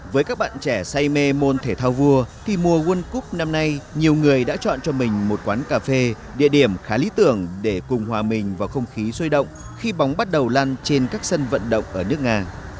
với các bạn trẻ say mê môn thể thao vua thì mùa world cup năm nay nhiều người đã chọn cho mình một quán cà phê địa điểm khá lý tưởng để cùng hòa mình vào không khí sôi động khi bóng bắt đầu lan trên các sân vận động ở nước nga